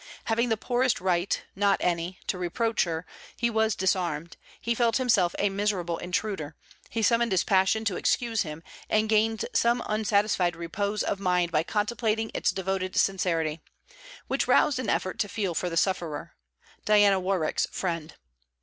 Having the poorest right not any to reproach her, he was disarmed, he felt himself a miserable intruder; he summoned his passion to excuse him, and gained some unsatisfied repose of mind by contemplating its devoted sincerity; which roused an effort to feel for the sufferer Diana Warwick's friend.